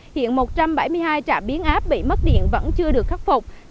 hiện một trăm bảy mươi hai trạm biến áp bị mất điện vẫn chưa được khắc phục